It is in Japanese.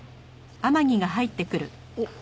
おっ！